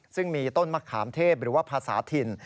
ซึ่งมีต้นมะขามเทพหรือว่าภาษาถิ่น